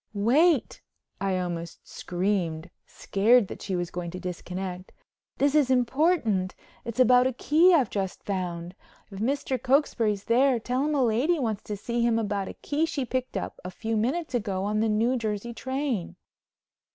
"Wait," I almost screamed, scared that she was going to disconnect, "this is important. It's about a key I've just found. If Mr. Cokesbury's there tell him a lady wants to see him about a key she picked up a few minutes ago on the New Jersey train."